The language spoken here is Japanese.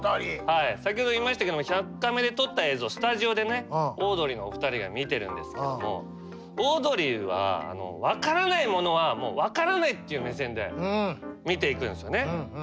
先ほど言いましたけども１００カメで撮った映像をスタジオでオードリーのお二人が見てるんですけどもオードリーは分からないものは分からないっていう目線で見ていくんですよね。